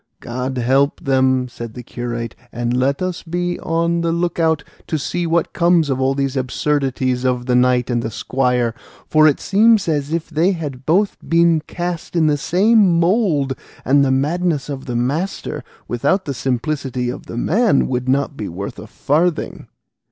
"God help them," said the curate; "and let us be on the look out to see what comes of all these absurdities of the knight and squire, for it seems as if they had both been cast in the same mould, and the madness of the master without the simplicity of the man would not be worth a farthing."